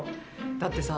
だってさ。